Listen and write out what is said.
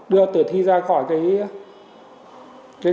đưa từ thi ra khỏi cái